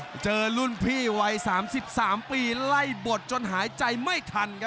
เจอรุ่นพี่วัย๓๓ปีไล่บดจนหายใจไม่ทันครับ